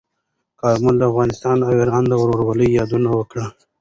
کارمل د افغانستان او ایران د ورورولۍ یادونه وکړه.